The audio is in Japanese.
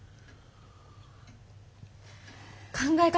考え方